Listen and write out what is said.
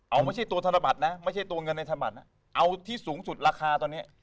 เอาไม่ใช่ตัวธนบัตรนะไม่ใช่ตัวเงินในธนบัตรนะเอาที่สูงสุดราคาตอนนี้